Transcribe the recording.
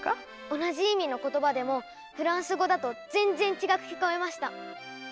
同じ意味の言葉でもフランス語だと全然違く聞こえました。